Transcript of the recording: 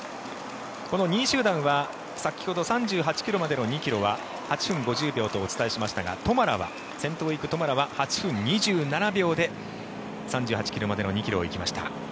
この２位集団は先ほどの３８ｋｍまでの地点は８分５０秒とお伝えしましたが先頭のトマラは８分２７秒で３８ｋｍまでの２ｋｍを行きました。